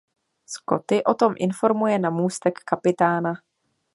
Scotty o tom informuje na můstek kapitána.